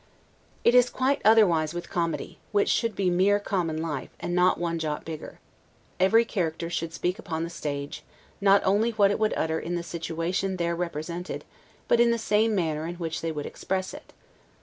It is quite otherwise with Comedy, which should be mere common life, and not one jot bigger. Every character should speak upon the stage, not only what it would utter in the situation there represented, but in the same manner in which it would express it.